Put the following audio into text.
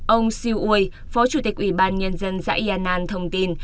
ông siu ui phó chủ tịch ủy ban nhân dân xã yên an thông tin